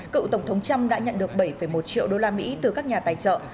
cựu tổng thống trump đã nhận được bảy một triệu đô la mỹ từ các nhà tài trợ